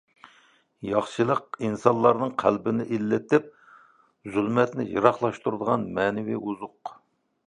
ياخشىلىق — ئىنسانلارنىڭ قەلبىنى ئىللىتىپ، زۇلمەتنى يىراقلاشتۇرىدىغان مەنىۋى ئوزۇق.